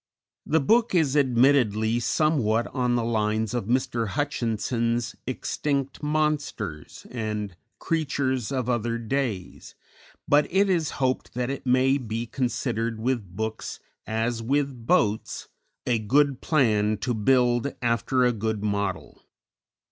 _ _The book is admittedly somewhat on the lines of Mr. Hutchinson's "Extinct Monsters" and "Creatures of Other Days," but it is hoped that it may be considered with books as with boats, a good plan to build after a good model.